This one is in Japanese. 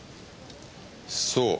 そう。